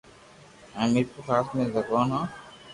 ھون ميرپورخاص مي ريون هون